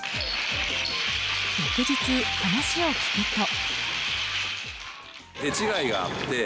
翌日、話を聞くと。